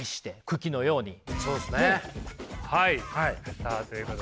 さあということで。